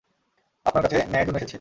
আপনার কাছে ন্যায়ের জন্য এসেছি।